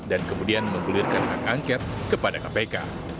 dan kemudian menggulirkan hak angket kepada kpk